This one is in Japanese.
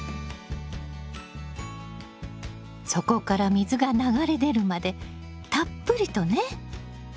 底から水が流れ出るまでたっぷりとね。